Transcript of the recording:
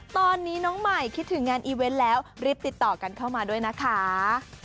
ตอนนี้น้องใหม่คิดถึงงานอีเวนต์แล้วรีบติดต่อกันเข้ามาด้วยนะคะ